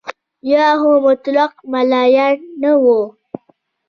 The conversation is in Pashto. یا خو مطلق ملایان نه وو.